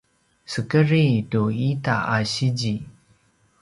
sekedri tu ita a sizi